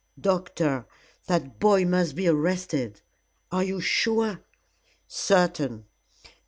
Doctor, that boy must be arrested. Are you sure?" "Certain.